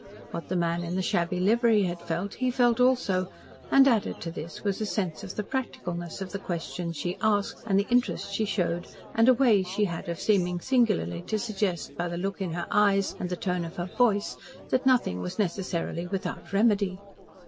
What the man in the shabby livery had felt, he felt also, and added to this was a sense of the practicalness of the questions she asked and the interest she showed and a way she had of seeming singularly to suggest by the look in her eyes and the tone of her voice that nothing was necessarily without remedy.